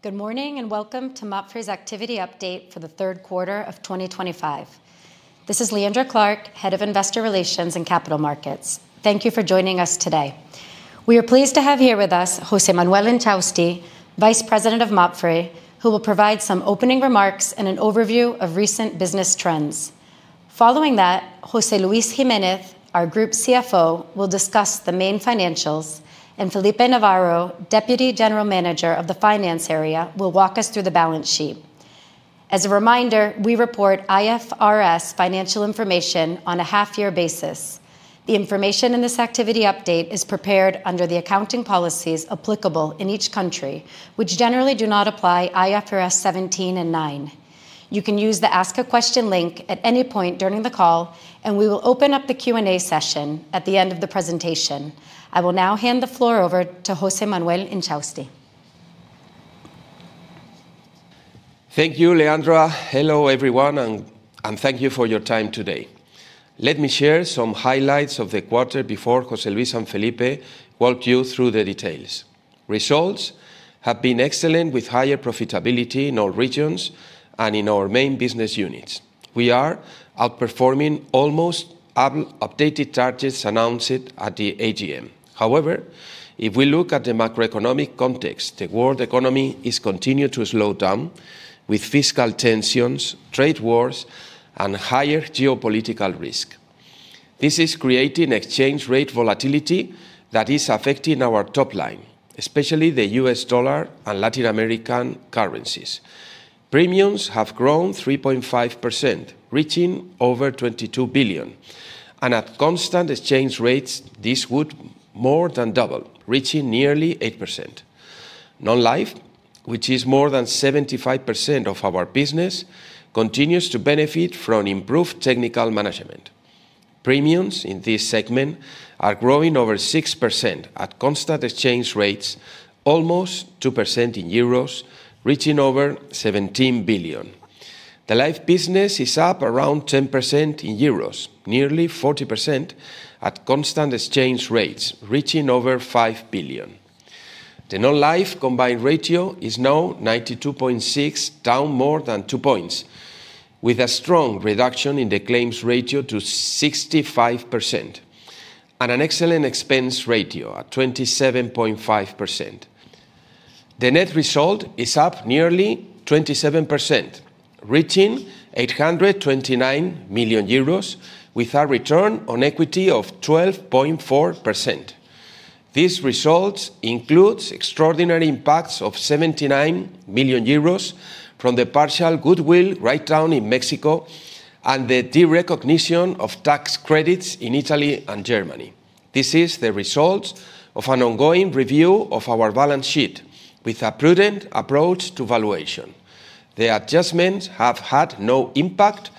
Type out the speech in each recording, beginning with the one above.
Good morning and welcome to MAPFRE's activity update for the third quarter of 2025. This is Leandra Clark, Head of Investor Relations and Capital Markets. Thank you for joining us today. We are pleased to have here with us José Manuel Inchausti, Vice President of MAPFRE, who will provide some opening remarks and an overview of recent business trends. Following that, José Luis Jiménez Guajardo-Fajardo, our Group CFO, will discuss the main financials, and Felipe Navarro López de Chicheri, Deputy General Manager of the Finance Area, will walk us through the balance sheet. As a reminder, we report IFRS financial information on a half-year basis. The information in this activity update is prepared under the accounting policies applicable in each country, which generally do not apply IFRS 17 and 9. You can use the Ask a Question link at any point during the call, and we will open up the Q&A session at the end of the presentation. I will now hand the floor over to José Manuel Inchausti. Thank you, Leandra. Hello, everyone, and thank you for your time today. Let me share some highlights of the quarter before José Luis and Felipe walk you through the details. Results have been excellent, with higher profitability in all regions and in our main business units. We are outperforming almost. Updated charges announced at the AGM. However, if we look at the macroeconomic context, the world economy is continuing to slow down, with fiscal tensions, trade wars, and higher geopolitical risk. This is creating exchange rate volatility that is affecting our top line, especially the U.S. dollar and Latin American currencies. Premiums have grown 3.5%, reaching over $22 billion, and at constant exchange rates, this would more than double, reaching nearly 8%. Nonlife, which is more than 75% of our business, continues to benefit from improved technical management. Premiums in this segment are growing over 6% at constant exchange rates, almost 2% in euros, reaching over $17 billion. The life business is up around 10% in euros, nearly 40% at constant exchange rates, reaching over $5 billion. The nonlife combined ratio is now 92.6, down more than two points, with a strong reduction in the claims ratio to 65% and an excellent expense ratio at 27.5%. The net result is up nearly 27%, reaching 829 million euros, with a return on equity of 12.4%. These results include extraordinary impacts of 79 million euros from the partial goodwill write-down in Mexico and the derecognition of tax credits in Italy and Germany. This is the result of an ongoing review of our balance sheet, with a prudent approach to valuation. The adjustments have had no impact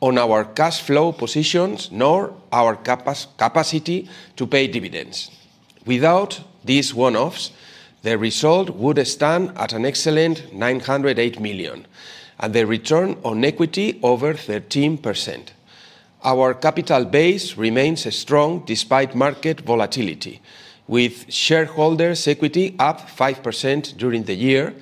on our cash flow positions nor our capacity to pay dividends. Without these one-offs, the result would stand at an excellent 908 million, and the return on equity over 13%. Our capital base remains strong despite market volatility, with shareholders' equity up 5% during the year,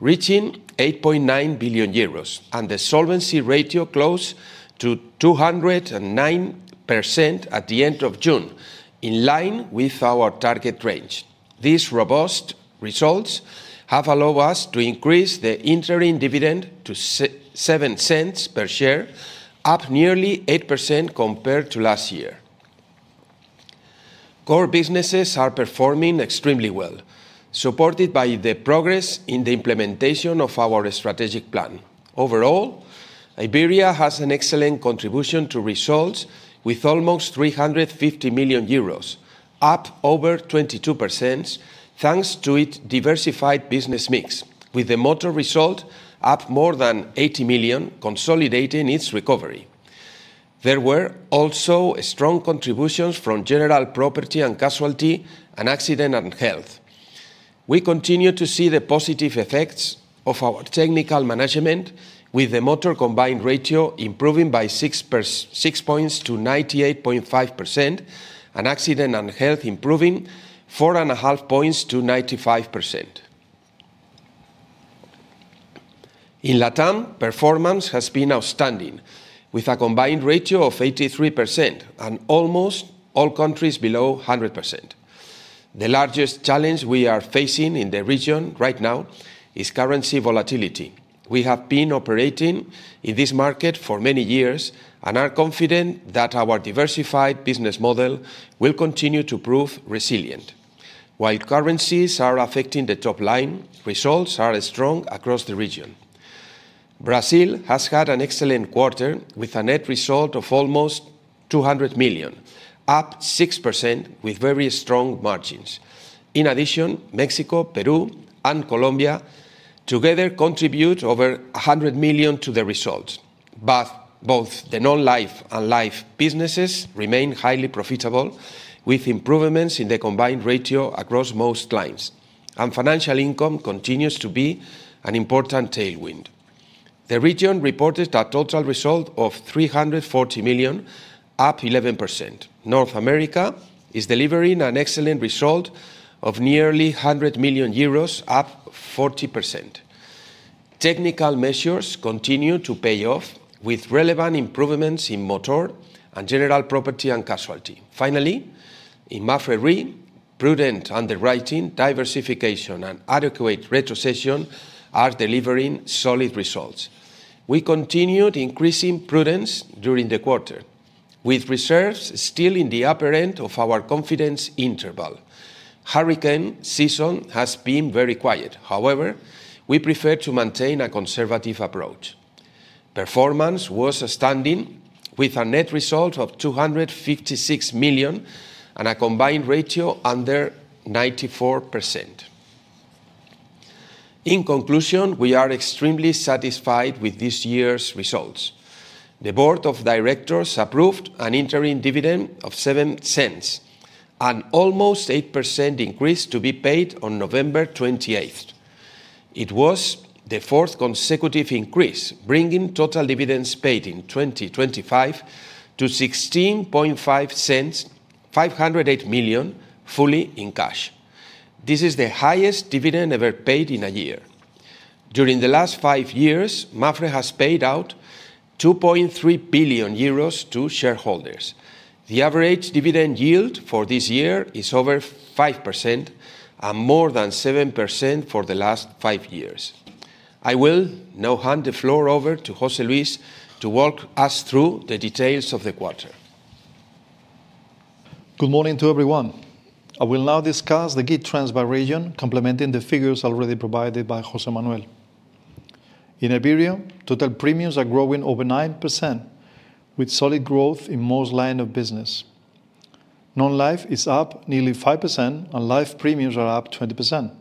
reaching 8.9 billion euros, and the solvency ratio close to 209% at the end of June, in line with our target range. These robust results have allowed us to increase the interim dividend to $0.07 per share, up nearly 8% compared to last year. Core businesses are performing extremely well, supported by the progress in the implementation of our strategic plan. Overall, Iberia has an excellent contribution to results, with almost 350 million euros, up over 22%. Thanks to its diversified business mix, with the motor result up more than 80 million, consolidating its recovery. There were also strong contributions from general property and casualty, and accident and health. We continue to see the positive effects of our technical management, with the motor combined ratio improving by 6 points to 98.5%, and accident and health improving 4.5 points to 95%. In Latin America, performance has been outstanding, with a combined ratio of 83% and almost all countries below 100%. The largest challenge we are facing in the region right now is currency volatility. We have been operating in this market for many years and are confident that our diversified business model will continue to prove resilient. While currencies are affecting the top line, results are strong across the region. Brazil has had an excellent quarter, with a net result of almost 200 million, up 6%, with very strong margins. In addition, Mexico, Peru, and Colombia together contribute over 100 million to the results. Both the nonlife and life businesses remain highly profitable, with improvements in the combined ratio across most lines, and financial income continues to be an important tailwind. The region reported a total result of 340 million, up 11%. North America is delivering an excellent result of nearly 100 million euros, up 40%. Technical measures continue to pay off, with relevant improvements in motor and general property and casualty. Finally, in MAPFRE, prudent underwriting, diversification, and adequate retrocession are delivering solid results. We continued increasing prudence during the quarter, with reserves still in the upper end of our confidence interval. Hurricane season has been very quiet. However, we prefer to maintain a conservative approach. Performance was outstanding, with a net result of 256 million and a combined ratio under 94%. In conclusion, we are extremely satisfied with this year's results. The Board of Directors approved an interim dividend of $0.07, an almost 8% increase to be paid on November 28. It was the fourth consecutive increase, bringing total dividends paid in 2025 to $1.65 billion, fully in cash. This is the highest dividend ever paid in a year. During the last five years, MAPFRE has paid out 2.3 billion euros to shareholders. The average dividend yield for this year is over 5%, and more than 7% for the last five years. I will now hand the floor over to José Luis to walk us through the details of the quarter. Good morning to everyone. I will now discuss the GitTrans by region, complementing the figures already provided by José Manuel. In Iberia, total premiums are growing over 9%, with solid growth in most lines of business. Nonlife is up nearly 5%, and life premiums are up 20%.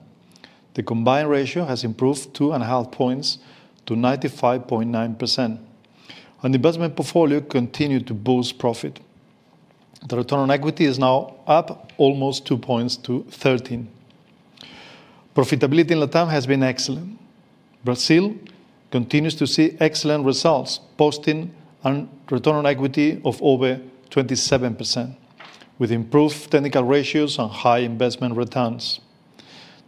The combined ratio has improved 2.5 points to 95.9%, and the investment portfolio continued to boost profit. The return on equity is now up almost 2 points to 13%. Profitability in Latin America has been excellent. Brazil continues to see excellent results, posting a return on equity of over 27%, with improved technical ratios and high investment returns.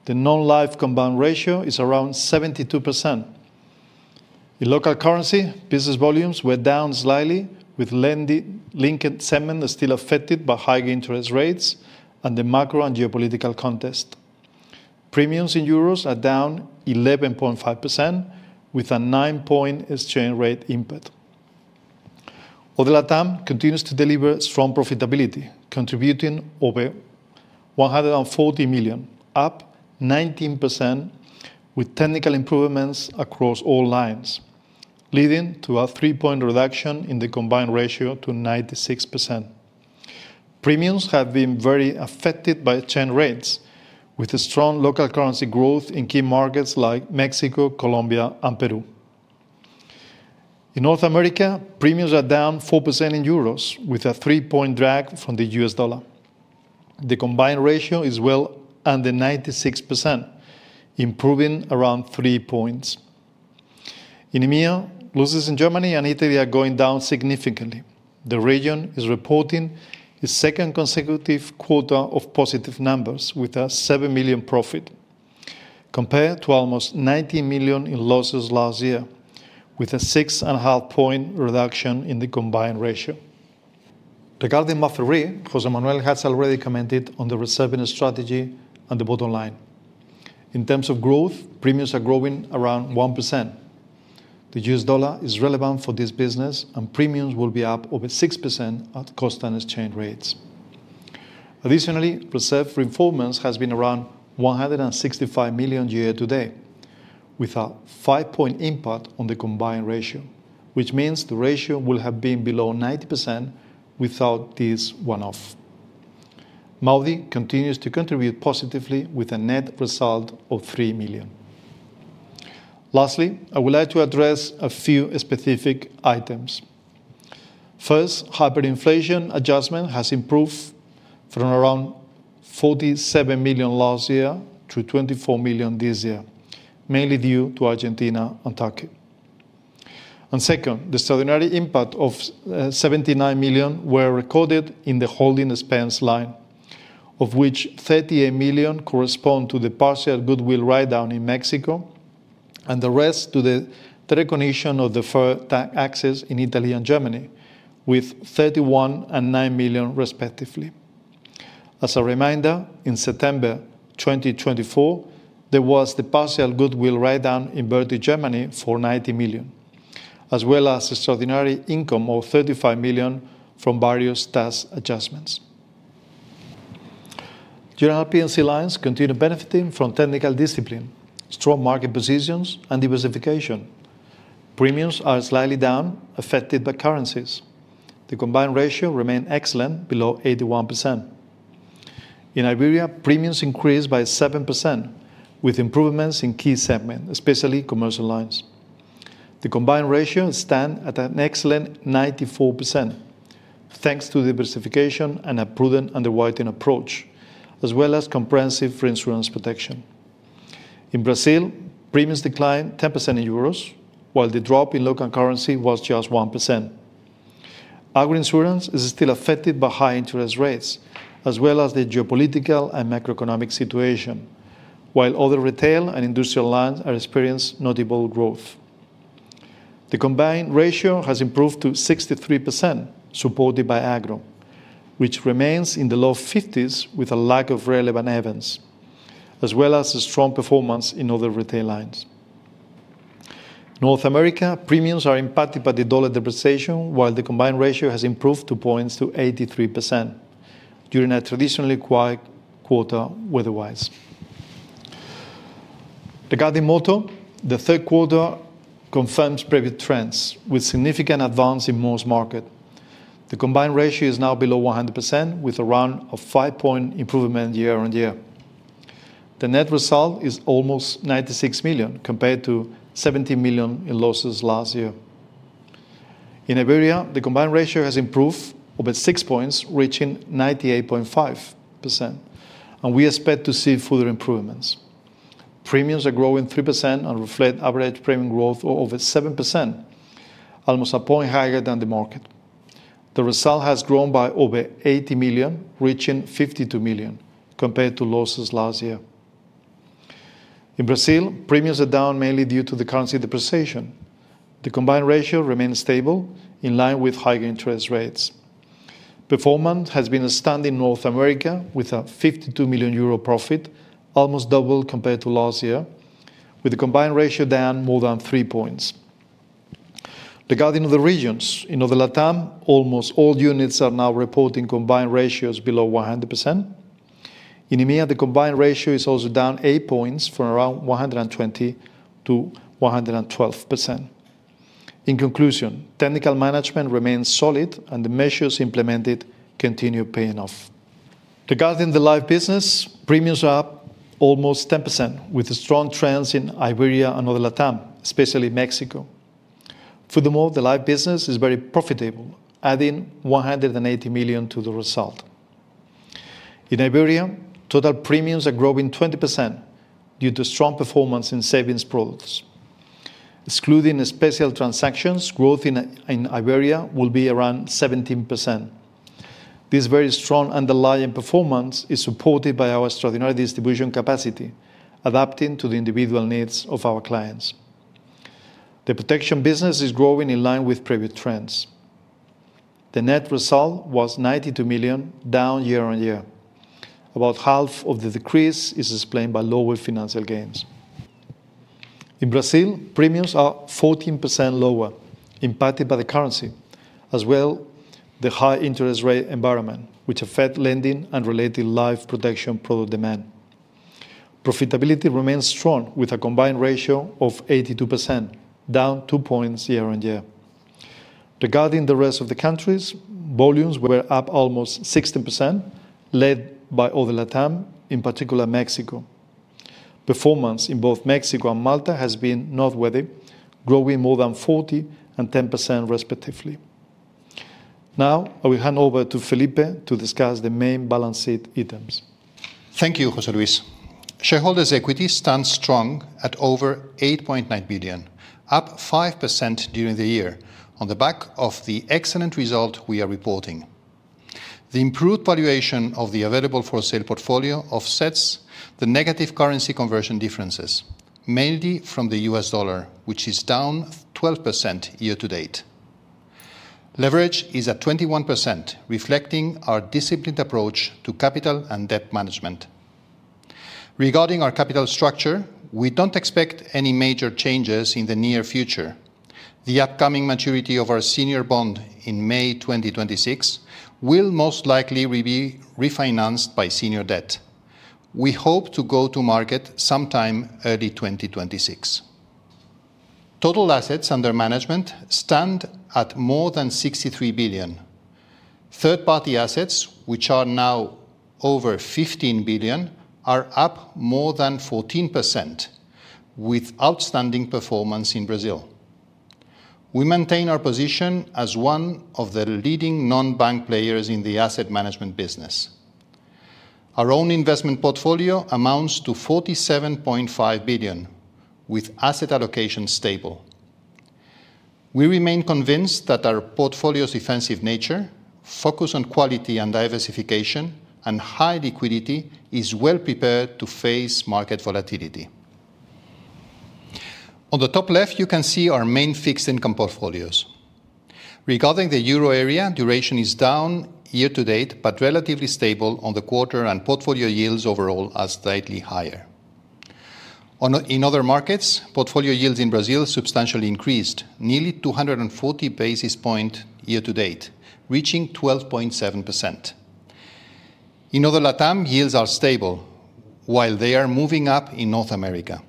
The nonlife combined ratio is around 72%. In local currency, business volumes were down slightly, with lending-linked segments still affected by higher interest rates and the macro and geopolitical context. Premiums in euros are down 11.5%, with a 9-point exchange rate impact. Although Latin America continues to deliver strong profitability, contributing over 140 million, up 19%, with technical improvements across all lines, leading to a 3-point reduction in the combined ratio to 96%. Premiums have been very affected by exchange rates, with strong local currency growth in key markets like Mexico, Colombia, and Peru. In North America, premiums are down 4% in euros, with a 3-point drag from the U.S. dollar. The combined ratio is well under 96%, improving around 3 points. In EMEA, losses in Germany and Italy are going down significantly. The region is reporting its second consecutive quarter of positive numbers, with a 7 million profit compared to almost 19 million in losses last year, with a 6.5-point reduction in the combined ratio. Regarding MAPFRE, José Manuel has already commented on the reserving strategy and the bottom line. In terms of growth, premiums are growing around 1%. The U.S. dollar is relevant for this business, and premiums will be up over 6% at constant exchange rates. Additionally, reserve performance has been around 165 million year to date, with a 5-point impact on the combined ratio, which means the ratio will have been below 90% without this one-off. Maui continues to contribute positively, with a net result of 3 million. Lastly, I would like to address a few specific items. First, hyperinflation adjustment has improved from around 47 million last year to 24 million this year, mainly due to Argentina and Tokyo. The extraordinary impact of 79 million was recorded in the holding expense line, of which 38 million corresponds to the partial goodwill write-down in Mexico, and the rest to the derecognition of the first tax access in Italy and Germany, with 31 million and 9 million, respectively. As a reminder, in September 2024, there was the partial goodwill write-down in Bertha, Germany, for 90 million, as well as extraordinary income of 35 million from various tax adjustments. General P&C lines continue benefiting from technical discipline, strong market positions, and diversification. Premiums are slightly down, affected by currencies. The combined ratio remains excellent, below 81%. In Iberia, premiums increased by 7%, with improvements in key segments, especially commercial lines. The combined ratio stands at an excellent 94%, thanks to diversification and a prudent underwriting approach, as well as comprehensive reinsurance protection. In Brazil, premiums declined 10% in euros, while the drop in local currency was just 1%. Agroinsurance is still affected by high interest rates, as well as the geopolitical and macroeconomic situation, while other retail and industrial lines are experiencing notable growth. The combined ratio has improved to 63%, supported by agro, which remains in the low 50% with a lack of relevant events, as well as strong performance in other retail lines. In North America, premiums are impacted by the dollar depreciation, while the combined ratio has improved to 83% during a traditionally quiet quarter weather-wise. Regarding motor, the third quarter confirms previous trends, with significant advance in most markets. The combined ratio is now below 100%, with a run of 5-point improvement year on year. The net result is almost 96 million, compared to 17 million in losses last year. In Iberia, the combined ratio has improved over 6 points, reaching 98.5%, and we expect to see further improvements. Premiums are growing 3% and reflect average premium growth of over 7%, almost a point higher than the market. The result has grown by over 80 million, reaching 52 million, compared to losses last year. In Brazil, premiums are down mainly due to the currency depreciation. The combined ratio remains stable, in line with higher interest rates. Performance has been outstanding in North America, with a 52 million euro profit, almost double compared to last year, with the combined ratio down more than 3 points. Regarding other regions, in other Latin America, almost all units are now reporting combined ratios below 100%. In EMEA, the combined ratio is also down 8 points, from around 120% to 112%. In conclusion, technical management remains solid, and the measures implemented continue paying off. Regarding the life business, premiums are up almost 10%, with strong trends in Iberia and other Latin America, especially Mexico. Furthermore, the life business is very profitable, adding 180 million to the result. In Iberia, total premiums are growing 20% due to strong performance in savings products. Excluding special transactions, growth in Iberia will be around 17%. This very strong underlying performance is supported by our extraordinary distribution capacity, adapting to the individual needs of our clients. The protection business is growing in line with previous trends. The net result was 92 million, down year on year. About half of the decrease is explained by lower financial gains. In Brazil, premiums are 14% lower, impacted by the currency, as well as the high interest rate environment, which affects lending and related life protection product demand. Profitability remains strong, with a combined ratio of 82%, down 2 points year on year. Regarding the rest of the countries, volumes were up almost 16%, led by other Latin America, in particular Mexico. Performance in both Mexico and Malta has been northward, growing more than 40% and 10%, respectively. Now, I will hand over to Felipe to discuss the main balance sheet items. Thank you, José Luis. Shareholders' equity stands strong at over 8.9 billion, up 5% during the year, on the back of the excellent result we are reporting. The improved valuation of the available for sale portfolio offsets the negative currency conversion differences, mainly from the U.S. dollar, which is down 12% year to date. Leverage is at 21%, reflecting our disciplined approach to capital and debt management. Regarding our capital structure, we don't expect any major changes in the near future. The upcoming maturity of our senior bond in May 2026 will most likely be refinanced by senior debt. We hope to go to market sometime early 2026. Total assets under management stand at more than 63 billion. Third-party assets, which are now over 15 billion, are up more than 14%, with outstanding performance in Brazil. We maintain our position as one of the leading non-bank players in the asset management business. Our own investment portfolio amounts to 47.5 billion, with asset allocation stable. We remain convinced that our portfolio's defensive nature, focus on quality and diversification, and high liquidity is well prepared to face market volatility. On the top left, you can see our main fixed income portfolios. Regarding the euro area, duration is down year to date, but relatively stable on the quarter, and portfolio yields overall are slightly higher. In other markets, portfolio yields in Brazil substantially increased, nearly 240 basis points year to date, reaching 12.7%. In other Latin America, yields are stable, while they are moving up in North America.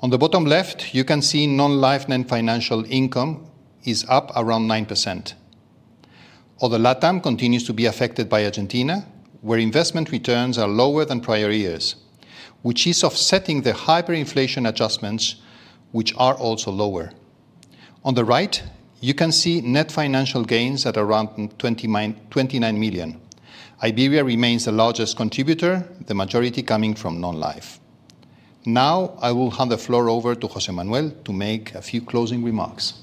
On the bottom left, you can see non-life and financial income is up around 9%. Other Latin America continues to be affected by Argentina, where investment returns are lower than prior years, which is offsetting the hyperinflation adjustments, which are also lower. On the right, you can see net financial gains at around 29 million. Iberia remains the largest contributor, the majority coming from non-life. Now, I will hand the floor over to José Manuel to make a few closing remarks.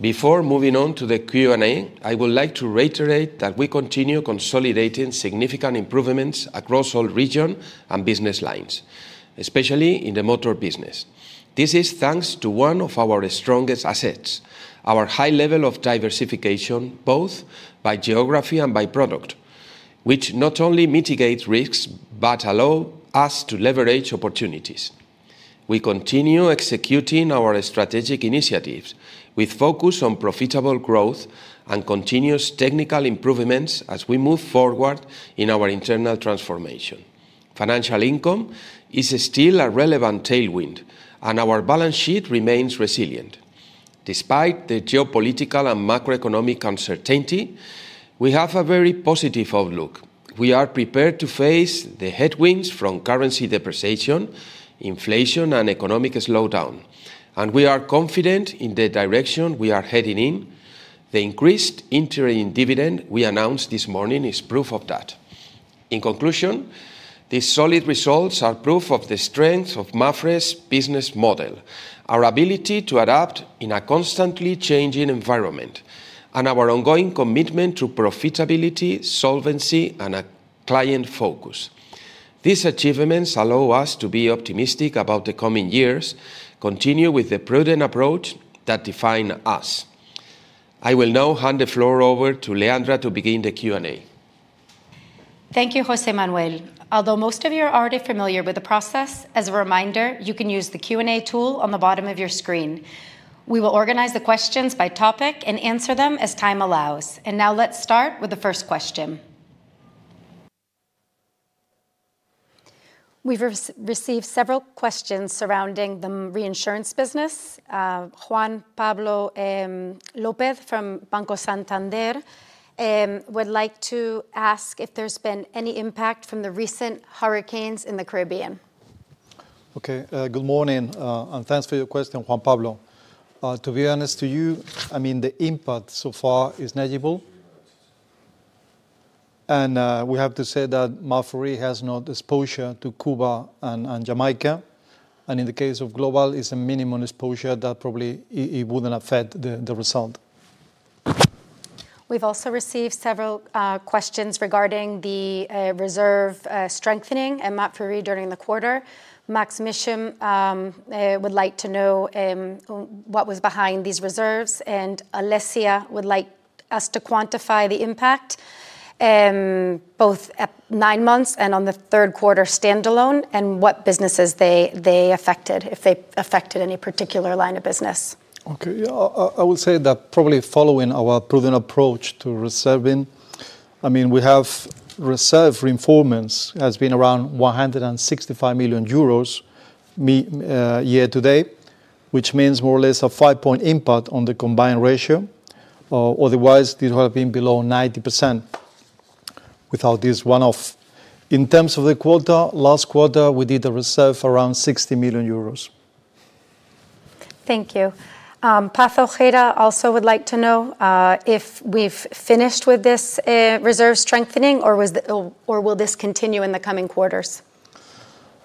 Before moving on to the Q&A, I would like to reiterate that we continue consolidating significant improvements across all regions and business lines, especially in the motor business. This is thanks to one of our strongest assets, our high level of diversification, both by geography and by product, which not only mitigates risks but allows us to leverage opportunities. We continue executing our strategic initiatives, with focus on profitable growth and continuous technical improvements as we move forward in our internal transformation. Financial income is still a relevant tailwind, and our balance sheet remains resilient. Despite the geopolitical and macroeconomic uncertainty, we have a very positive outlook. We are prepared to face the headwinds from currency depreciation, inflation, and economic slowdown, and we are confident in the direction we are heading in. The increased interest in dividend we announced this morning is proof of that. In conclusion, these solid results are proof of the strength of MAPFRE's business model, our ability to adapt in a constantly changing environment, and our ongoing commitment to profitability, solvency, and a client focus. These achievements allow us to be optimistic about the coming years, continuing with the prudent approach that defines us. I will now hand the floor over to Leandra to begin the Q&A. Thank you, José Manuel. Although most of you are already familiar with the process, as a reminder, you can use the Q&A tool on the bottom of your screen. We will organize the questions by topic and answer them as time allows. Now, let's start with the first question. We've received several questions surrounding the reinsurance business. Juan Pablo Lopez Cobo from Banco Santander would like to ask if there's been any impact from the recent hurricanes in the Caribbean. Okay, good morning, and thanks for your question, Juan Pablo. To be honest with you, the impact so far is negligible. We have to say that MAPFRE has no exposure to Cuba and Jamaica, and in the case of Global, it's a minimum exposure that probably wouldn't affect the result. We've also received several questions regarding the reserve strengthening at MAPFRE during the quarter. Maksym Mishyn would like to know what was behind these reserves, and Alessia would like us to quantify the impact both at nine months and on the third quarter standalone, and what businesses they affected, if they affected any particular line of business. Okay, I would say that probably following our prudent approach to reserving, we have reserve reinforcements that have been around 165 million euros year to date, which means more or less a 5% impact on the combined ratio. Otherwise, this would have been below 90% without this one-off. In terms of the quarter, last quarter, we did a reserve around 60 million euros. Thank you. Paz Ojeda also would like to know if we've finished with this reserve strengthening, or will this continue in the coming quarters?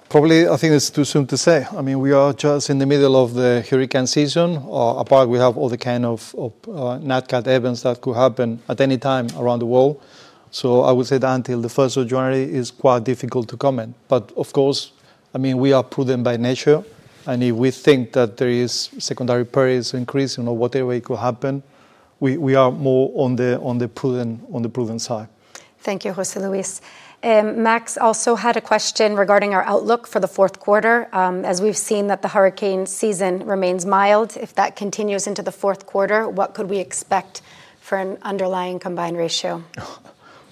Probably, I think it's too soon to say. I mean, we are just in the middle of the hurricane season. Apart, we have all the kind of natcat events that could happen at any time around the world. I would say that until January 1 it is quite difficult to comment. Of course, we are prudent by nature, and if we think that there is secondary perils increasing or whatever could happen, we are more on the prudent side. Thank you, José Luis. Max also had a question regarding our outlook for the fourth quarter. As we've seen that the hurricane season remains mild, if that continues into the fourth quarter, what could we expect for an underlying combined ratio?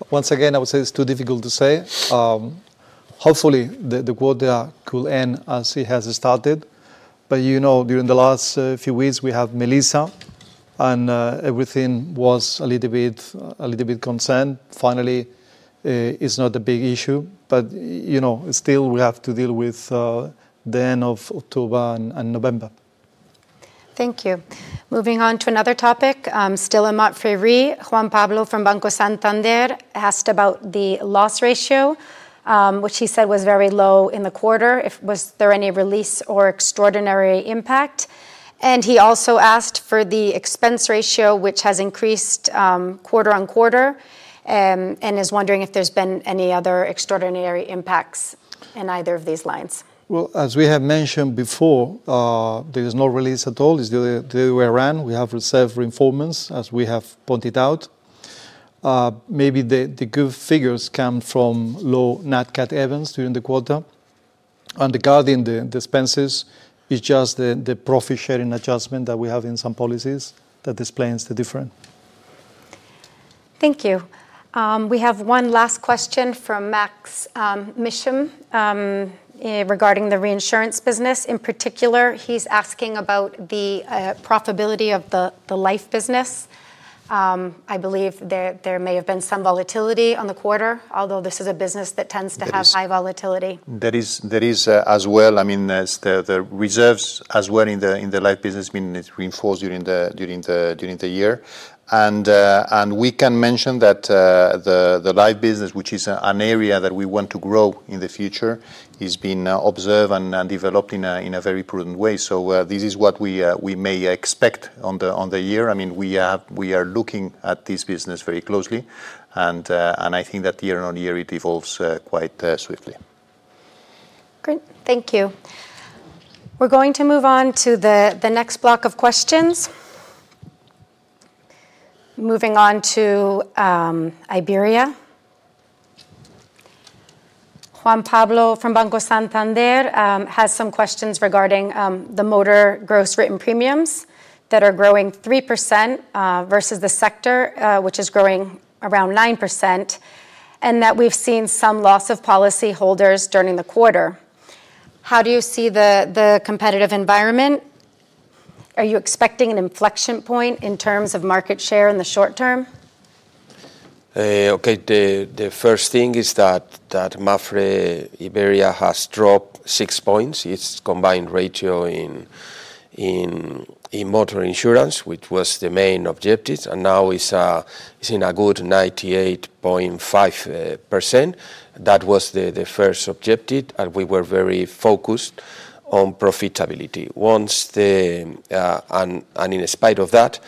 Once again, I would say it's too difficult to say. Hopefully, the quarter could end as it has started. You know, during the last few weeks, we had Melissa, and everything was a little bit concerned. Finally, it's not a big issue, but you know, still we have to deal with the end of October and November. Thank you. Moving on to another topic, still in MAPFRE, Juan Pablo from Banco Santander asked about the loss ratio, which he said was very low in the quarter. Was there any release or extraordinary impact? He also asked for the expense ratio, which has increased quarter on quarter, and is wondering if there's been any other extraordinary impacts in either of these lines. As we have mentioned before, there is no release at all. It's the other way around. We have reserve reinforcements, as we have pointed out. Maybe the good figures come from low Natcat events during the quarter. Regarding the expenses, it's just the profit sharing adjustment that we have in some policies that explains the difference. Thank you. We have one last question from Maksym Mishyn. Regarding the reinsurance business, in particular, he's asking about the profitability of the life business. I believe there may have been some volatility on the quarter, although this is a business that tends to have high volatility. The reserves as well in the life business have been reinforced during the year. We can mention that the life business, which is an area that we want to grow in the future, has been observed and developed in a very prudent way. This is what we may expect on the year. We are looking at this business very closely, and I think that year on year, it evolves quite swiftly. Great, thank you. We're going to move on to the next block of questions. Moving on to Iberia. Juan Pablo from Banco Santander has some questions regarding the motor gross written premiums that are growing 3% versus the sector, which is growing around 9%, and that we've seen some loss of policyholders during the quarter. How do you see the competitive environment? Are you expecting an inflection point in terms of market share in the short term? Okay, the first thing is that MAPFRE Iberia has dropped six points in its combined ratio in motor insurance, which was the main objective, and now it's in a good 98.5%. That was the first objective, and we were very focused on profitability. In spite of that,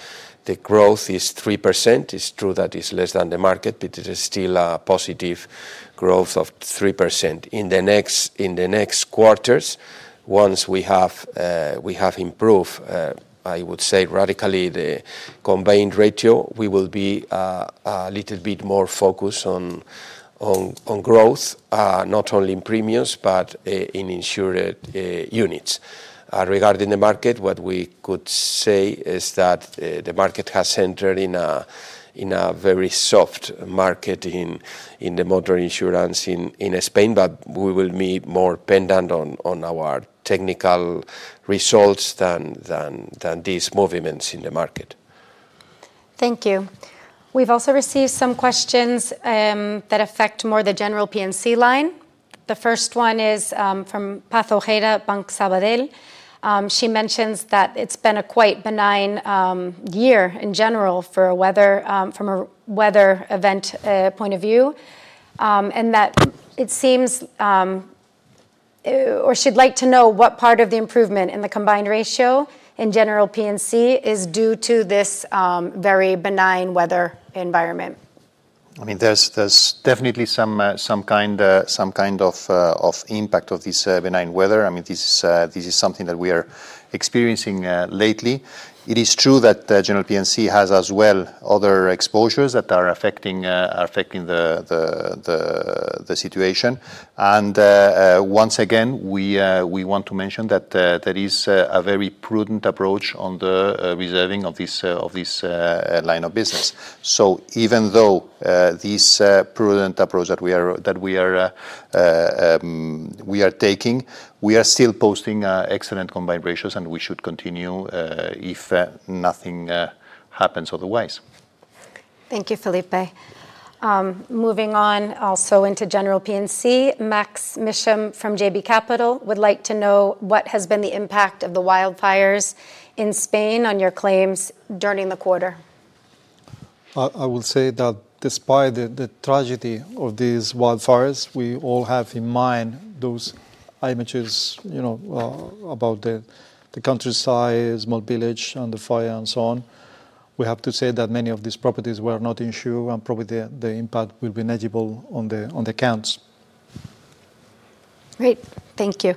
the growth is 3%. It's true that it's less than the market, but it is still a positive growth of 3%. In the next quarters, once we have improved, I would say radically, the combined ratio, we will be a little bit more focused on growth, not only in premiums but in insured units. Regarding the market, what we could say is that the market has entered in a very soft market in the motor insurance in Spain, but we will be more pendant on our technical results than these movements in the market. Thank you. We've also received some questions that affect more the general PNC line. The first one is from Paz Ojeda, Banco Sabadell. She mentions that it's been a quite benign year in general from a weather event point of view, and that it seems, or she'd like to know what part of the improvement in the combined ratio in general PNC is due to this very benign weather environment. I mean, there's definitely some kind of impact of this benign weather. I mean, this is something that we are experiencing lately. It is true that general PNC has as well other exposures that are affecting the situation. Once again, we want to mention that there is a very prudent approach on the reserving of this line of business. Even though this prudent approach that we are taking, we are still posting excellent combined ratios, and we should continue if nothing happens otherwise. Thank you, Felipe. Moving on also into general P&C, Maksym Mishyn from JB Capital would like to know what has been the impact of the wildfires in Spain on your claims during the quarter. I will say that despite the tragedy of these wildfires, we all have in mind those images about the countryside, small village, and the fire, and so on. We have to say that many of these properties were not insured, and probably the impact will be negligible on the accounts. Great, thank you.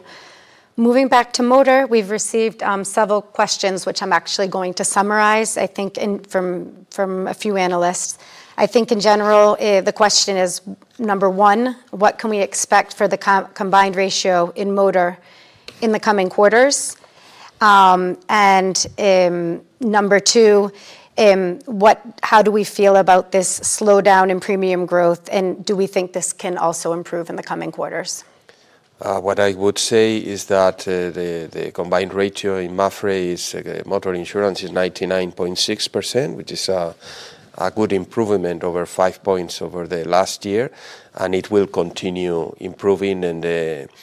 Moving back to motor, we've received several questions, which I'm actually going to summarize from a few analysts. I think in general, the question is, number one, what can we expect for the combined ratio in motor in the coming quarters? Number two, how do we feel about this slowdown in premium growth, and do we think this can also improve in the coming quarters? What I would say is that the combined ratio in MAPFRE motor insurance is 99.6%, which is a good improvement, over five points over the last year, and it will continue improving in the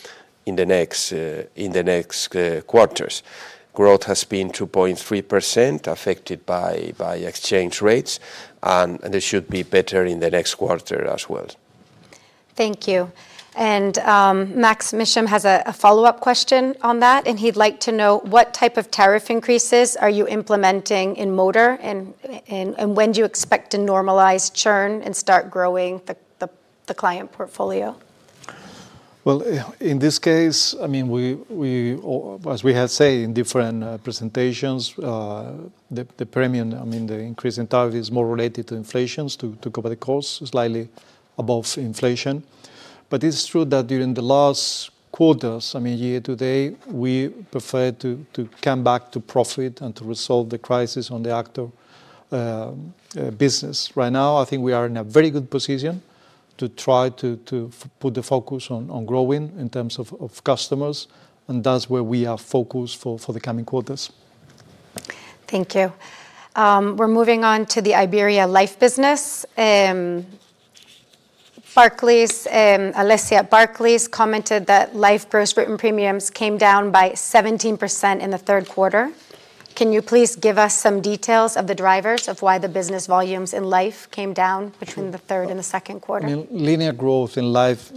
next quarters. Growth has been 2.3%, affected by exchange rates, and it should be better in the next quarter as well. Thank you. Maksym Mishyn has a follow-up question on that, and he'd like to know what type of tariff increases are you implementing in motor, and when do you expect to normalize churn and start growing the client portfolio? As we have said in different presentations, the premium, I mean, the increase in tariff is more related to inflation, to cover the cost, slightly above inflation. It's true that during the last quarters, year to date, we preferred to come back to profit and to resolve the crisis on the actual business. Right now, I think we are in a very good position to try to put the focus on growing in terms of customers, and that's where we are focused for the coming quarters. Thank you. We're moving on to the Iberia Life business. Alessia Barclays commented that Life gross written premiums came down by 17% in the third quarter. Can you please give us some details of the drivers of why the business volumes in Life came down between the third and the second quarter? I mean, linear growth in life.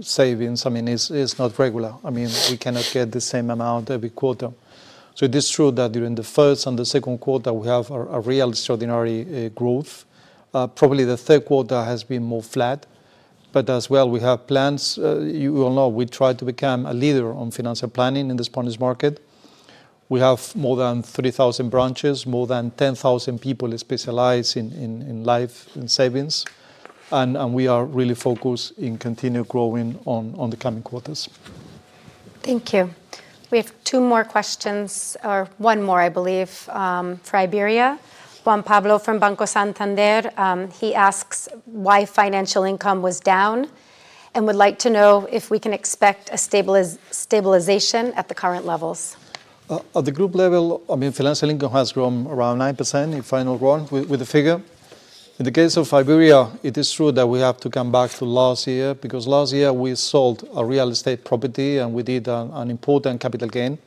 Savings, I mean, is not regular. We cannot get the same amount every quarter. It is true that during the first and the second quarter, we have a real extraordinary growth. Probably the third quarter has been more flat. We have plans. You all know, we tried to become a leader on financial planning in the Spanish market. We have more than 3,000 branches, more than 10,000 people specialized in life and savings. We are really focused on continued growing in the coming quarters. Thank you. We have two more questions, or one more, I believe, for Iberia. Juan Pablo from Banco Santander asks why financial income was down and would like to know if we can expect a stabilization at the current levels. At the group level, I mean, financial income has grown around 9% in final round with the figure. In the case of Iberia, it is true that we have to come back to last year, because last year we sold a real estate property and we did an important capital gain.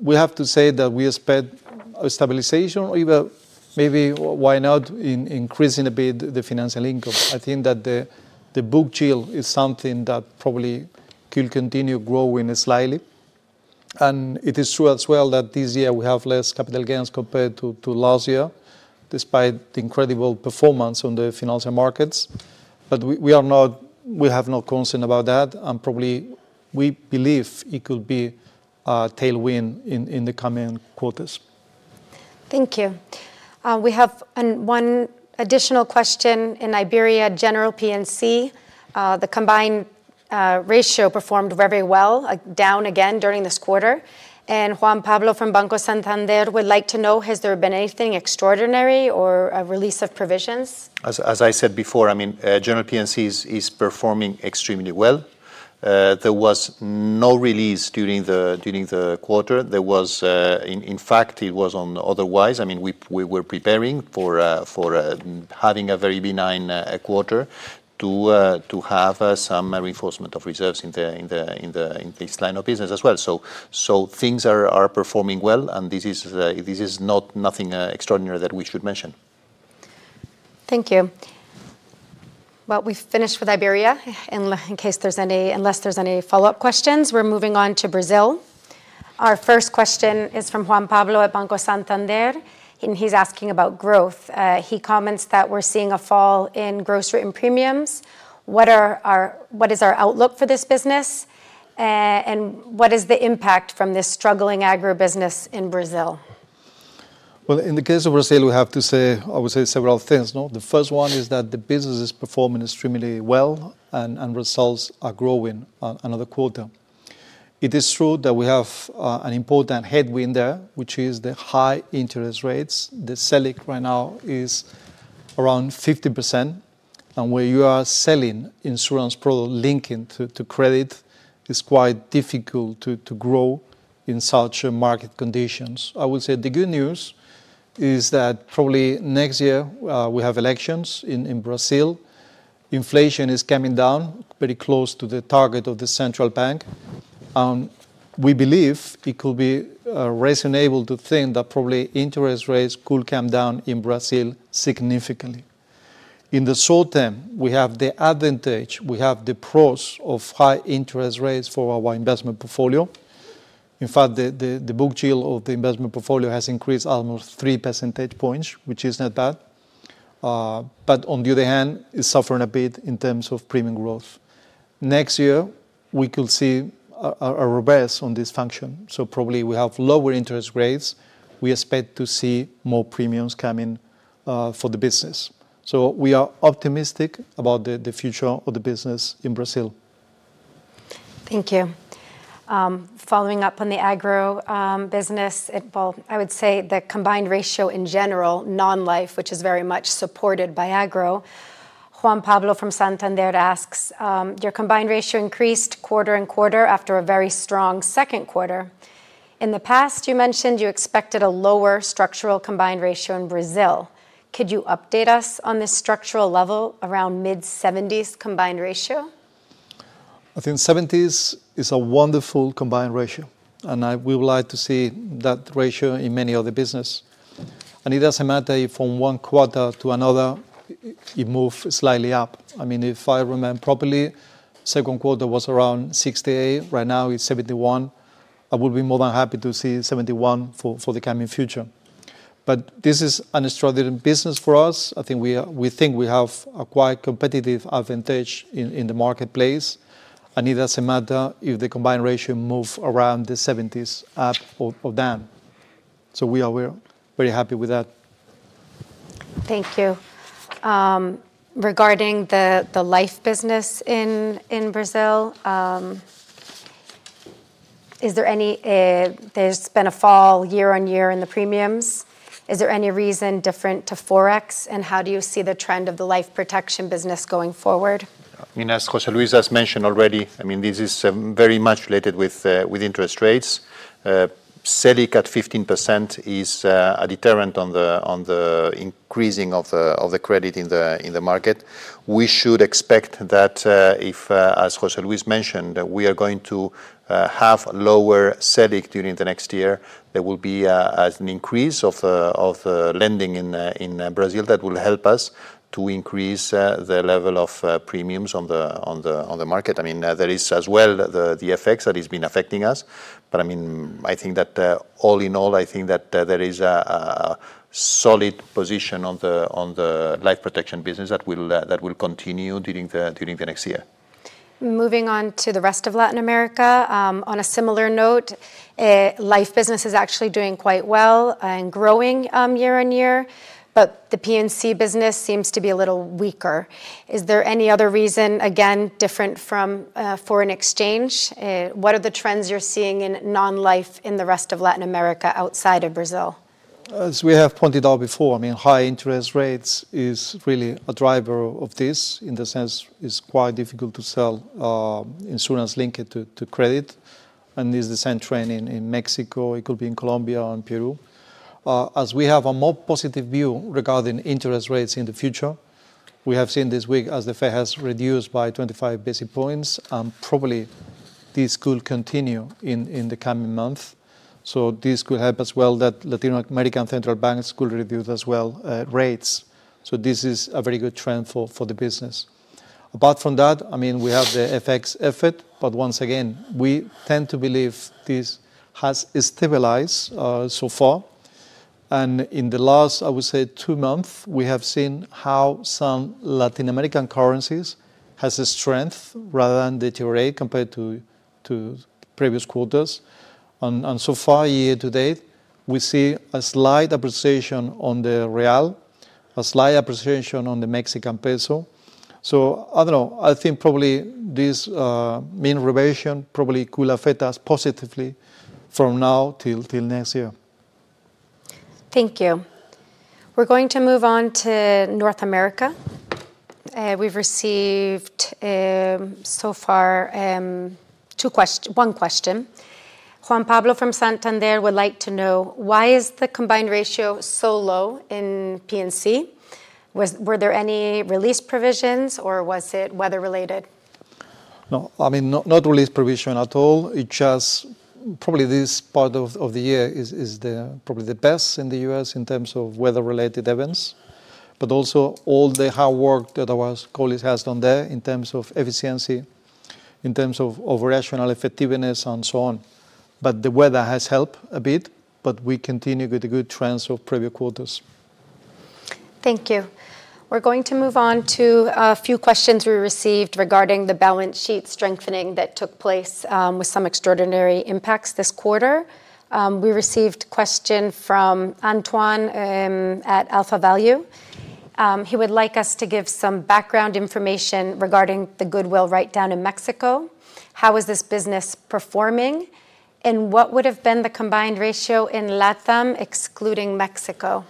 We have to say that we expect a stabilization, or even maybe why not increasing a bit the financial income. I think that the book yield is something that probably could continue growing slightly. It is true as well that this year we have less capital gains compared to last year, despite the incredible performance on the financial markets. We have no concern about that, and probably we believe it could be a tailwind in the coming quarters. Thank you. We have one additional question in Iberia, general P&C. The combined ratio performed very well, down again during this quarter. Juan Pablo from Banco Santander would like to know, has there been anything extraordinary or a release of provisions? As I said before, I mean, general P&C is performing extremely well. There was no release during the quarter. In fact, it was otherwise. I mean, we were preparing for having a very benign quarter to have some reinforcement of reserves in this line of business as well. Things are performing well, and this is not nothing extraordinary that we should mention. Thank you. We've finished with Iberia, unless there's any follow-up questions. We're moving on to Brazil. Our first question is from Juan Pablo at Banco Santander, and he's asking about growth. He comments that we're seeing a fall in gross written premiums. What is our outlook for this business, and what is the impact from this struggling agribusiness in Brazil? In the case of Brazil, I would say several things. The first one is that the business is performing extremely well, and results are growing another quarter. It is true that we have an important headwind there, which is the high interest rates. The SELIC right now is around 50%. Where you are selling insurance product linking to credit, it's quite difficult to grow in such market conditions. The good news is that probably next year we have elections in Brazil. Inflation is coming down pretty close to the target of the central bank. We believe it could be reasonable to think that probably interest rates could come down in Brazil significantly. In the short term, we have the advantage, we have the pros of high interest rates for our investment portfolio. In fact, the book yield of the investment portfolio has increased almost three percentage points, which is not bad. On the other hand, it's suffering a bit in terms of premium growth. Next year, we could see a reverse on this function. Probably we have lower interest rates. We expect to see more premiums coming for the business. We are optimistic about the future of the business in Brazil. Thank you. Following up on the agro business, I would say the combined ratio in general, non-life, which is very much supported by agro. Juan Pablo from Banco Santander asks, your combined ratio increased quarter on quarter after a very strong second quarter. In the past, you mentioned you expected a lower structural combined ratio in Brazil. Could you update us on the structural level around mid-70% combined ratio? I think 70s is a wonderful combined ratio, and we would like to see that ratio in many other businesses. It doesn't matter if from one quarter to another, it moves slightly up. I mean, if I remember properly, second quarter was around 68%. Right now, it's 71%. I would be more than happy to see 71% for the coming future. This is an extraordinary business for us. I think we have a quite competitive advantage in the marketplace, and it doesn't matter if the combined ratio moves around the 70s up or down. We are very happy with that. Thank you. Regarding the life business in Brazil, there's been a fall year on year in the premiums. Is there any reason different to Forex, and how do you see the trend of the life protection business going forward? As José Luis has mentioned already, this is very much related with interest rates. SELIC at 15% is a deterrent on the increasing of the credit in the market. We should expect that if, as José Luis mentioned, we are going to have lower SELIC during the next year, there will be an increase of lending in Brazil that will help us to increase the level of premiums on the market. There is as well the effects that have been affecting us. All in all, I think that there is a solid position on the life protection business that will continue during the next year. Moving on to the rest of Latin America, on a similar note. Life business is actually doing quite well and growing year on year, but the PNC business seems to be a little weaker. Is there any other reason, again, different from foreign exchange? What are the trends you're seeing in non-life in the rest of Latin America outside of Brazil? As we have pointed out before, high interest rates is really a driver of this in the sense it's quite difficult to sell insurance linked to credit. It's the same trend in Mexico. It could be in Colombia and Peru. As we have a more positive view regarding interest rates in the future, we have seen this week as the Fed has reduced by 25 basis points, and probably this could continue in the coming months. This could help as well that Latin American central banks could reduce as well rates. This is a very good trend for the business. Apart from that, we have the FX effort, but once again, we tend to believe this has stabilized so far. In the last, I would say, two months, we have seen how some Latin American currencies have strengthened rather than deteriorated compared to previous quarters. So far, year to date, we see a slight appreciation on the real, a slight appreciation on the Mexican peso. I don't know, I think probably this mean reversion probably could affect us positively from now till next year. Thank you. We're going to move on to North America. We've received so far one question. Juan Pablo from Banco Santander would like to know, why is the combined ratio so low in PNC? Were there any release provisions, or was it weather related? No, I mean, not release provision at all. It's just probably this part of the year is probably the best in the U.S. in terms of weather-related events. Also, all the hard work that our colleagues have done there in terms of efficiency, in terms of operational effectiveness, and so on. The weather has helped a bit, but we continue with good trends of previous quarters. Thank you. We're going to move on to a few questions we received regarding the balance sheet strengthening that took place with some extraordinary impacts this quarter. We received a question from Antoine at AlphaValue. He would like us to give some background information regarding the goodwill write-down in Mexico. How is this business performing, and what would have been the combined ratio in Latin America excluding Mexico?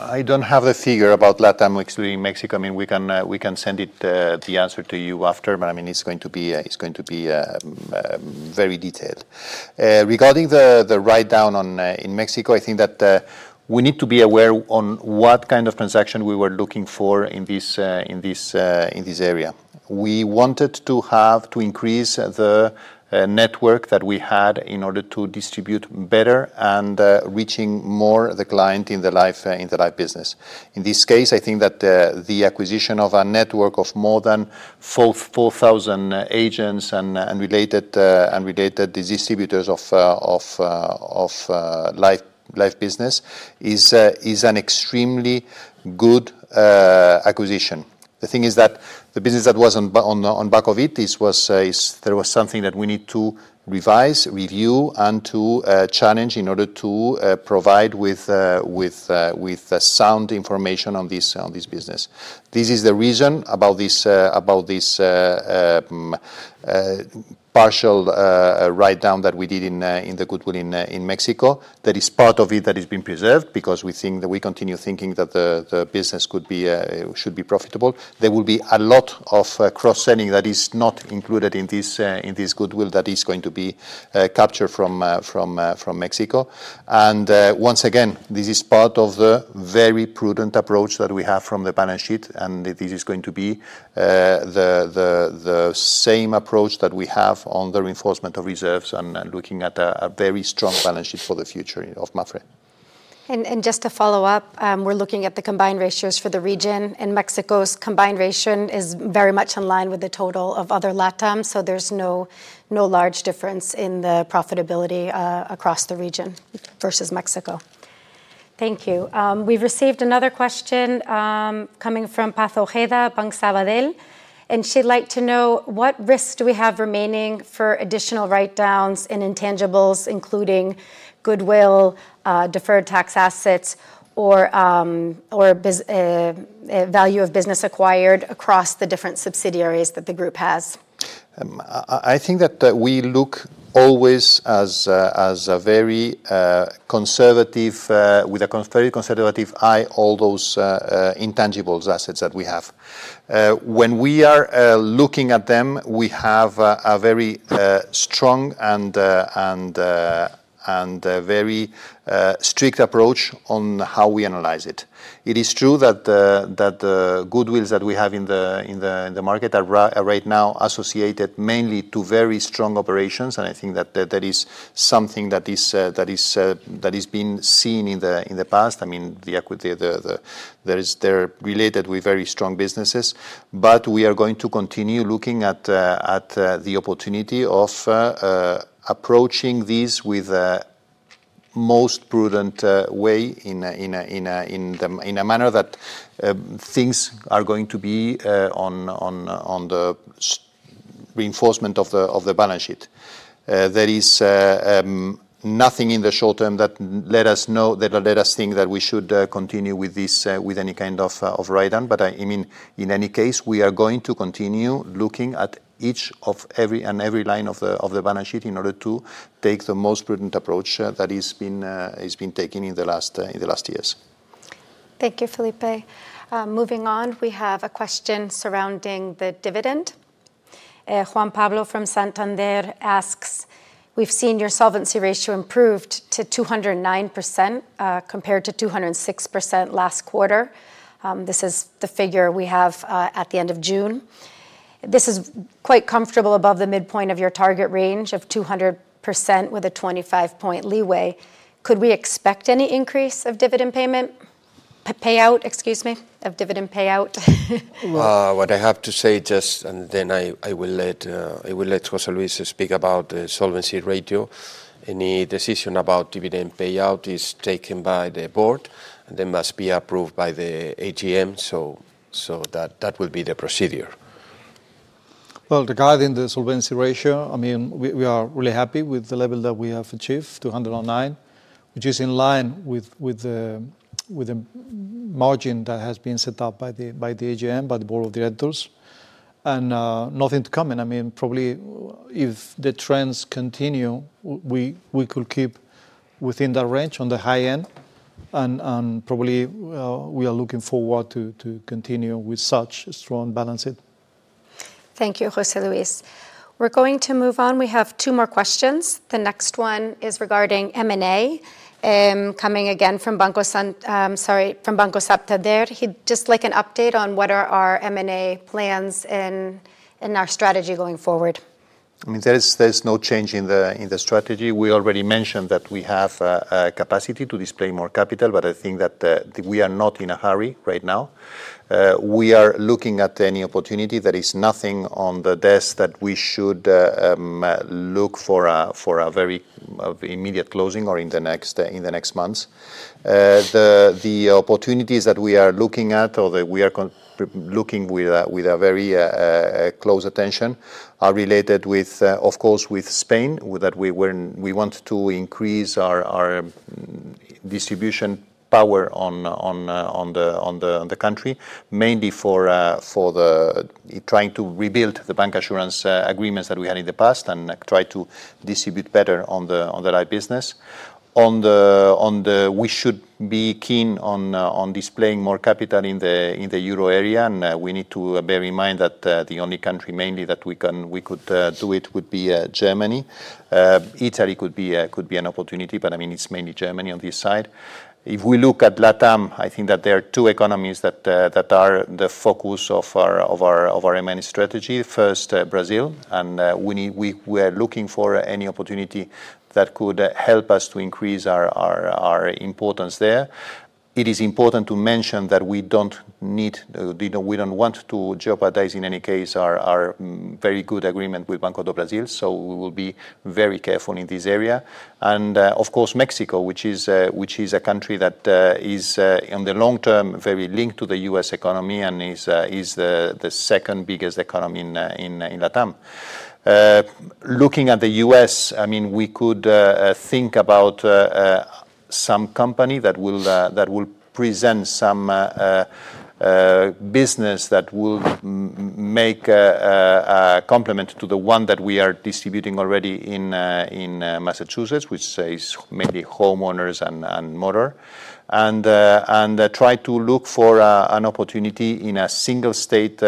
I don't have the figure about Latin America excluding Mexico. We can send the answer to you after, but it's going to be very detailed. Regarding the write-down in Mexico, I think that we need to be aware of what kind of transaction we were looking for in this area. We wanted to increase the network that we had in order to distribute better and reach more of the client in the life business. In this case, I think that the acquisition of a network of more than 4,000 agents and related distributors of life business is an extremely good acquisition. The thing is that the business that was on the back of it, there was something that we need to revise, review, and to challenge in order to provide sound information on this business. This is the reason about this partial write-down that we did in the goodwill in Mexico. That is part of it that has been preserved because we continue thinking that the business should be profitable. There will be a lot of cross-selling that is not included in this goodwill that is going to be captured from Mexico. Once again, this is part of the very prudent approach that we have from the balance sheet, and this is going to be the same approach that we have on the reinforcement of reserves and looking at a very strong balance sheet for the future of MAPFRE. Just to follow up, we're looking at the combined ratios for the region, and Mexico's combined ratio is very much in line with the total of other Latin America, so there's no large difference in the profitability across the region versus Mexico. Thank you. We've received another question. Coming from Paz Ojeda, Banco Sabadell, and she'd like to know, what risks do we have remaining for additional write-downs in intangibles, including goodwill, deferred tax assets, or value of business acquired across the different subsidiaries that the group has? I think that we look always as a very conservative, with a very conservative eye, all those intangible assets that we have. When we are looking at them, we have a very strong and very strict approach on how we analyze it. It is true that the goodwills that we have in the market are right now associated mainly to very strong operations, and I think that that is something that has been seen in the past. I mean, they're related with very strong businesses. We are going to continue looking at the opportunity of approaching these with the most prudent way in a manner that things are going to be on the reinforcement of the balance sheet. There is nothing in the short term that let us think that we should continue with any kind of write-down, but I mean, in any case, we are going to continue looking at each of every line of the balance sheet in order to take the most prudent approach that has been taken in the last years. Thank you, Felipe. Moving on, we have a question surrounding the dividend. Juan Pablo from Banco Santander asks, we've seen your solvency ratio improved to 209% compared to 206% last quarter. This is the figure we have at the end of June. This is quite comfortable above the midpoint of your target range of 200% with a 25-point leeway. Could we expect any increase of dividend payment. Payout, excuse me, of dividend payout? What I have to say, and then I will let José Luis speak about the solvency ratio. Any decision about dividend payout is taken by the board, and then must be approved by the AGM, so that will be the procedure. Regarding the solvency ratio, I mean, we are really happy with the level that we have achieved, 209%, which is in line with the margin that has been set up by the AGM, by the Board of Directors. Nothing to comment. I mean, probably if the trends continue, we could keep within that range on the high end, and probably we are looking forward to continue with such strong balance sheet. Thank you, José Luis. We're going to move on. We have two more questions. The next one is regarding M&A, coming again from Banco Sabadell, just like an update on what are our M&A plans and our strategy going forward. I mean, there's no change in the strategy. We already mentioned that we have a capacity to deploy more capital, but I think that we are not in a hurry right now. We are looking at any opportunity. There is nothing on the desk that we should look for a very immediate closing or in the next months. The opportunities that we are looking at, or that we are looking at with very close attention, are related, of course, with Spain, where we want to increase our distribution power in the country, mainly for trying to rebuild the bancassurance agreements that we had in the past and try to distribute better in the life business. We should be keen on deploying more capital in the euro area, and we need to bear in mind that the only country mainly that we could do it would be Germany. Italy could be an opportunity, but it's mainly Germany on this side. If we look at Latin America, I think that there are two economies that are the focus of our M&A strategy. First, Brazil, and we are looking for any opportunity that could help us to increase our importance there. It is important to mention that we don't want to jeopardize in any case our very good agreement with Banco do Brasil, so we will be very careful in this area. Of course, Mexico, which is a country that is, in the long term, very linked to the U.S. economy and is the second biggest economy in Latin America. Looking at the U.S., we could think about some company that will present some business that will make a complement to the one that we are distributing already in Massachusetts, which is mainly homeowner and motor, and try to look for an opportunity in a single-state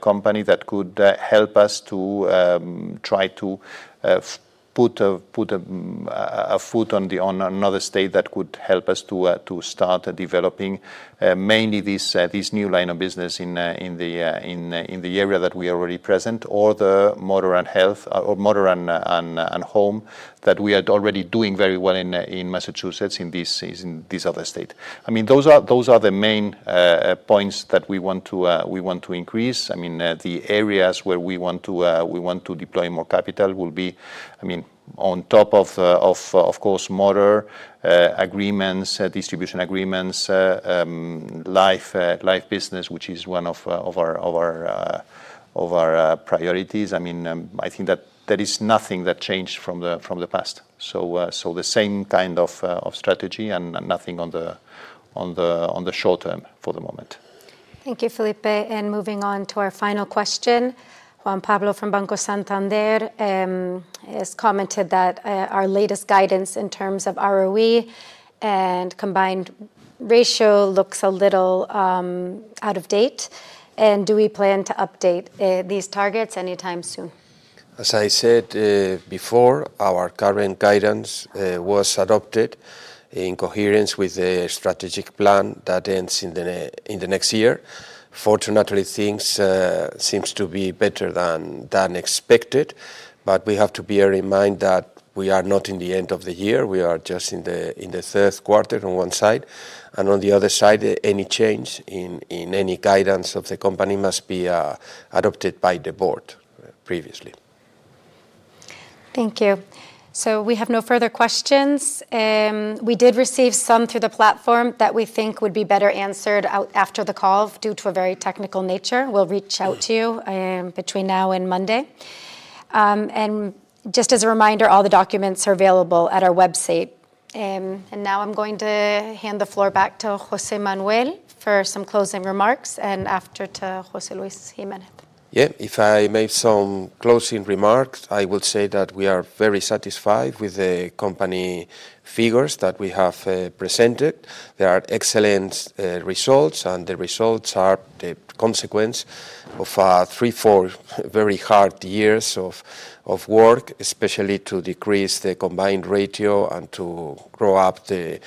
company that could help us to put a foot in another state that could help us to start developing mainly this new line of business in the area that we are already present, or the motor and health, or motor and home that we are already doing very well in Massachusetts, in this other state. Those are the main points that we want to increase. The areas where we want to deploy more capital will be, on top of, of course, motor agreements, distribution agreements, life business, which is one of our priorities. I think that there is nothing that changed from the past. The same kind of strategy and nothing in the short term for the moment. Thank you, Felipe. Moving on to our final question, Juan Pablo from Banco Santander has commented that our latest guidance in terms of ROE and combined ratio looks a little out of date, and do we plan to update these targets anytime soon? As I said before, our current guidance was adopted in coherence with the strategic plan that ends in the next year. Fortunately, things seem to be better than expected, but we have to bear in mind that we are not in the end of the year. We are just in the third quarter on one side. On the other side, any change in any guidance of the company must be adopted by the board previously. Thank you. We have no further questions. We did receive some through the platform that we think would be better answered after the call due to a very technical nature. We'll reach out to you between now and Monday. Just as a reminder, all the documents are available at our website. Now I'm going to hand the floor back to José Manuel Inchausti for some closing remarks, and after to José Luis Jiménez Guajardo-Fajardo. If I may, some closing remarks. I will say that we are very satisfied with the company figures that we have presented. There are excellent results, and the results are the consequence of three, four very hard years of work, especially to decrease the combined ratio and to grow up the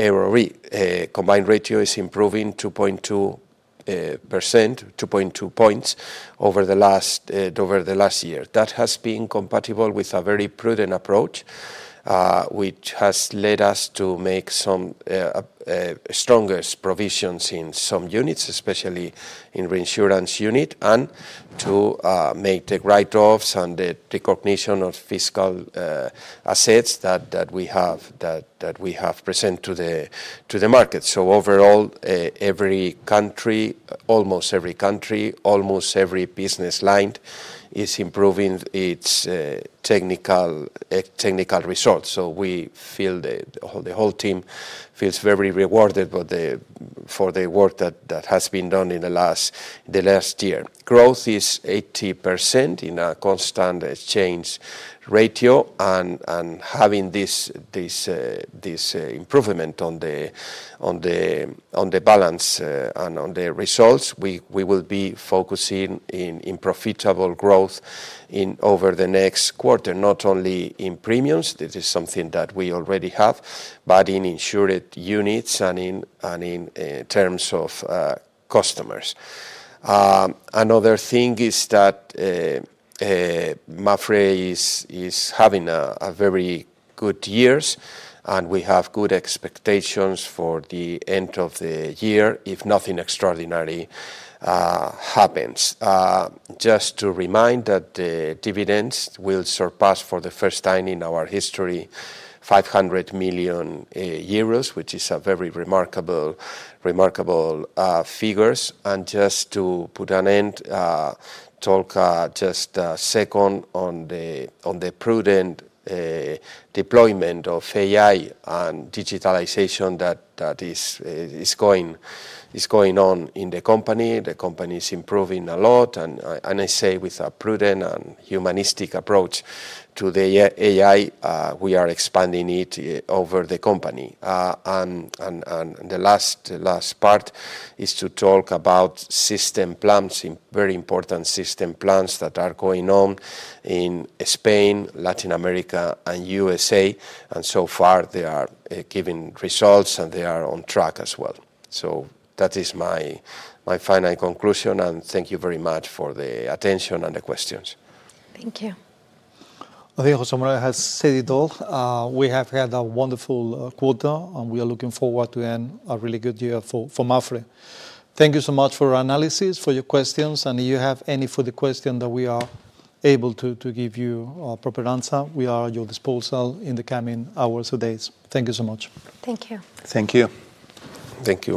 ROE. Combined ratio is improving 2.2%—2.2 points over the last year. That has been compatible with a very prudent approach, which has led us to make some stronger provisions in some units, especially in the reinsurance unit, and to make the write-offs and the derecognition of fiscal assets that we have presented to the market. Overall, almost every country, almost every business line is improving its technical results. The whole team feels very rewarded for the work that has been done in the last year. Growth is 80% in a constant exchange ratio, and having this improvement on the balance and on the results, we will be focusing on profitable growth over the next quarter, not only in premiums—this is something that we already have—but in insured units and in terms of customers. Another thing is that MAPFRE is having a very good year, and we have good expectations for the end of the year if nothing extraordinary happens. Just to remind that the dividends will surpass for the first time in our history 500 million euros, which is a very remarkable figure. Just to put an end, I will talk just a second on the prudent deployment of AI and digitalization that is going on in the company. The company is improving a lot, and I say with a prudent and humanistic approach to the AI, we are expanding it over the company. The last part is to talk about system plans, very important system plans that are going on in Spain, Latin America, and the U.S., and so far they are giving results and they are on track as well. That is my final conclusion, and thank you very much for the attention and the questions. Thank you. I think José Manuel Inchausti has said it all. We have had a wonderful quarter, and we are looking forward to a really good year for MAPFRE. Thank you so much for your analysis, for your questions, and if you have any further questions that we are able to give you a proper answer, we are at your disposal in the coming hours or days. Thank you so much. Thank you. Thank you. Thank you.